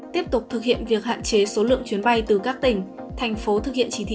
tiếp tục thực hiện việc hạn chế số lượng chuyến bay từ các tỉnh thành phố thực hiện chỉ thị một mươi sáu